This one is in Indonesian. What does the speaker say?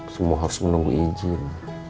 semua harus menunggu izin